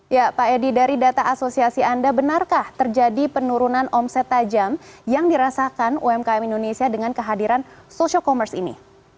ya pak edi dari data asosiasi anda benarkah terjadi penurunan omset tajam yang dirasakan umkm indonesia dengan kehadiran social commerce ini